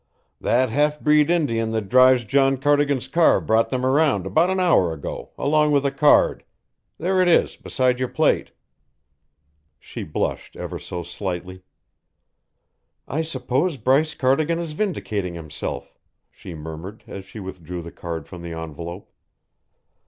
"That half breed Indian that drives John Cardigan's car brought them around about an hour ago, along with a card. There it is, beside your plate." She blushed ever so slightly. "I suppose Bryce Cardigan is vindicating himself," she murmured as she withdrew the card from the envelope.